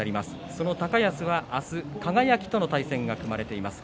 その高安は明日は輝との対戦が組まれています。